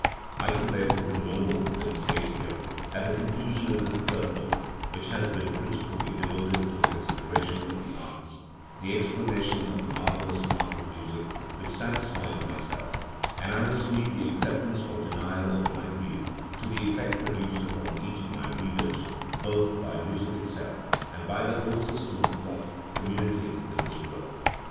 I can therefore do no more than state here, at the conclusion of this third book, which has been principally devoted to the consideration of the arts, the explanation of the marvellous art of music which satisfies myself, and I must leave the acceptance or denial of my view to the effect produced upon each of my readers both by music itself and by the whole system of thought communicated in this work.